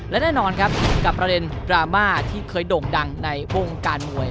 และแน่นอนครับกับประเด็นดราม่าที่เคยโด่งดังในวงการมวย